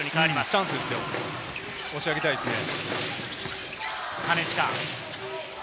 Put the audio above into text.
チャンスですよ、押し上げたいですね。